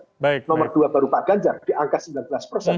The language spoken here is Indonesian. nomor dua baru pak ganjar diangkat sembilan belas persen